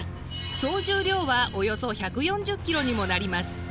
総重量はおよそ１４０キロにもなります。